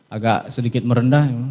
agak sedikit merendah yang mulia